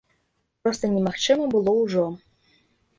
Проста немагчыма было ўжо.